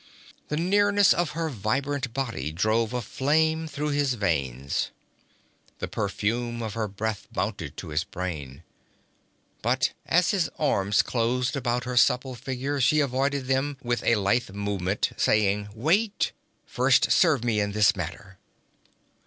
The nearness of her vibrant body drove a flame through his veins. The perfume of her breath mounted to his brain. But as his arms closed about her supple figure she avoided them with a lithe movement, saying: 'Wait! First serve me in this matter.'